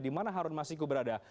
di mana harun masiku berada